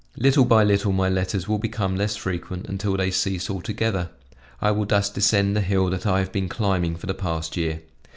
Little by little my letters will become less frequent until they cease altogether. I will thus descend the hill that I have been climbing for the past year.